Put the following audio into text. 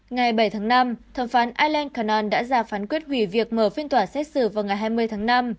ngày bảy tháng năm thẩm phán ireland canon đã ra phán quyết hủy việc mở phiên tòa xét xử vào ngày hai mươi tháng năm